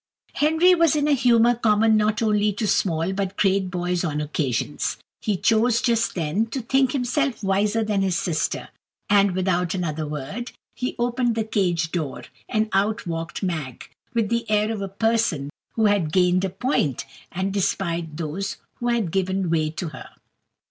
Henry was in a humour common not only to small but great boys on occasions. He chose, just then, to think himself wiser than his sister, and, without another word, he opened the cage door, and out walked Mag, with the air of a person who had gained a point, and despised those who had given way to her.